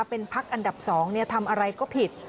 เป็นพักอันดับ๒ทำอะไรก็ผิด